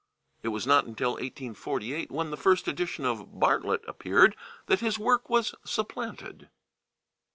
It was not until 1848, when the first edition of Bartlett appeared, that his work was supplanted.